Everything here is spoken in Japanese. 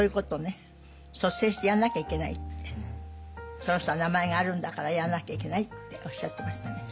その人は名前があるんだからやらなきゃいけないっておっしゃってましたね。